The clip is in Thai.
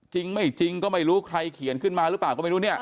จริงไม่จริงก็ไม่รู้ใครเขียนขึ้นมาหรือเปล่าก็ไม่รู้เนี่ย